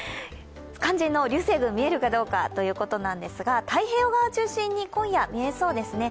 肝心の流星群、見えるかどうかですが、太平洋側を中心に今夜、見えそうですね。